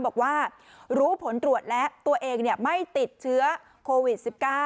บอกว่ารู้ผลตรวจแล้วตัวเองไม่ติดเชื้อโควิด๑๙